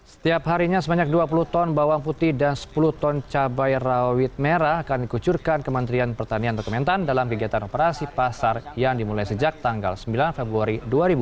setiap harinya sebanyak dua puluh ton bawang putih dan sepuluh ton cabai rawit merah akan dikucurkan kementerian pertanian kementan dalam kegiatan operasi pasar yang dimulai sejak tanggal sembilan februari dua ribu dua puluh